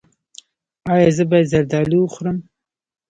ایا زه باید زردالو وخورم؟